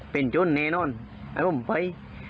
เป็นจุ้นแน่นอนให้พวกมันไป